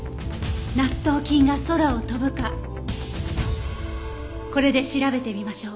納豆菌が空を飛ぶかこれで調べてみましょう。